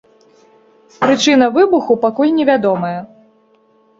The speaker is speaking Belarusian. Прычына выбуху пакуль невядомая.